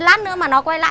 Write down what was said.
con con của mẹ